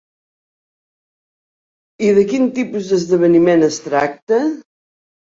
I de quin tipus d'esdeveniment es tracta?